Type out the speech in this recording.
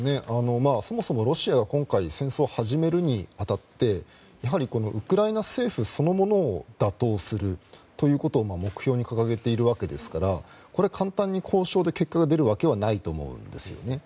そもそもロシアは今回戦争を始めるに当たってやはりウクライナ政府そのものを打倒するということを目標に掲げているわけですから簡単に交渉で結果が出るわけはないと思うんです。